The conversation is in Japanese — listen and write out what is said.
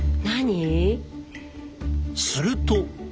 すると。